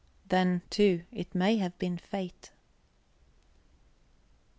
Then, too, it may have been fate.